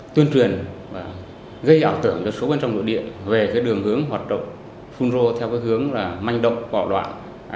tuyên truyền gây ảo tưởng cho số bên trong đội địa về đường hướng hoạt động phun rô theo hướng manh động bỏ đoạn